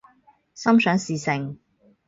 心想事成